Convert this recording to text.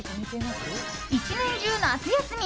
一年中、夏休み！